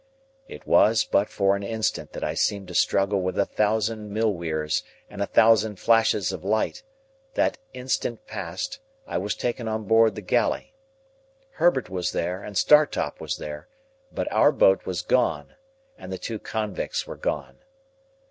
It was but for an instant that I seemed to struggle with a thousand mill weirs and a thousand flashes of light; that instant past, I was taken on board the galley. Herbert was there, and Startop was there; but our boat was gone, and the two convicts were gone.